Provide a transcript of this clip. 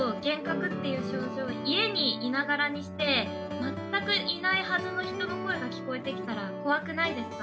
家にいながらにして全くいないはずの人の声が聞こえてきたら怖くないですか？